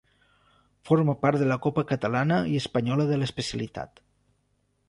Forma part de la copa catalana i espanyola de l'especialitat.